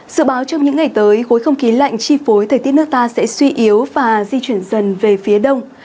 sự báo trong những ngày tới khối không khí lạnh chi phối thời tiết nước ta sẽ suy yếu và di chuyển dần về phía đông